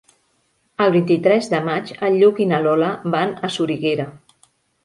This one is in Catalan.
El vint-i-tres de maig en Lluc i na Lola van a Soriguera.